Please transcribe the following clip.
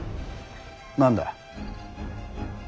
何だ。